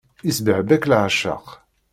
Isbehba-k leεceq.